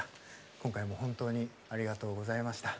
今回も本当にありがとうございました。